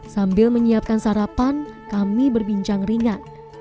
sambil menyiapkan sarapan kami berbincang ringan